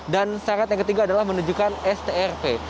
dan syarat yang ketiga adalah menunjukkan strp